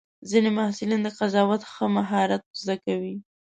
ځینې محصلین د قضاوت ښه مهارت زده کوي.